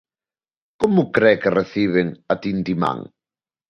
Como cre que reciben a Tintimán?